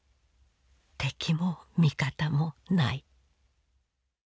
敵も味方もない。